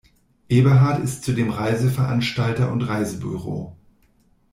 Eberhardt ist zudem Reiseveranstalter und Reisebüro.